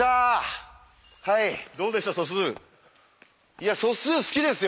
いや素数好きですよ。